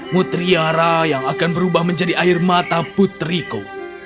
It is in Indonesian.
putri ara yang akan berubah menjadi air mata putriku